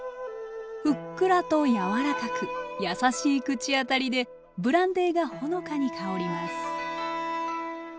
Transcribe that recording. ふっくらと柔らかく優しい口当たりでブランデーがほのかに香ります